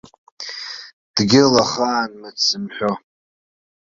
Дгьылахаан мыц зымҳәо.